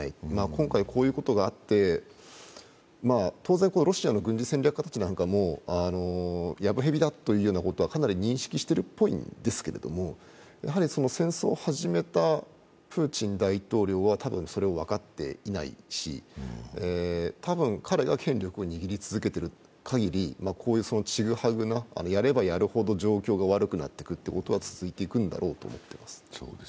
今回、こういうことがあって当然、ロシアの軍事戦略家たちもやぶへびだということはかなり認識してるっぽいんですけれども、戦争を始めたプーチン大統領は、多分それを分かっていないし多分、彼が権力を握り続けている限り、こういう、やればやるほど状況が悪くなってくることは続いてくるんだろうと思っています。